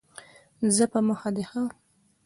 ځه په مخه دي ښه !